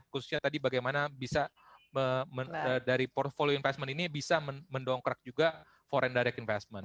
khususnya tadi bagaimana bisa dari portfolio investment ini bisa mendongkrak juga foreig direct investment